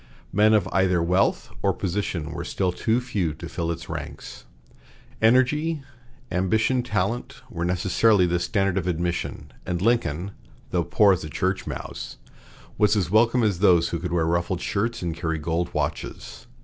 Men of either wealth or position were still too few to fill its ranks. Energy, ambition talent, were necessarily the standard of admission; and Lincoln, though poor as a church mouse, was as welcome as those who could wear ruffled shirts and carry gold watches.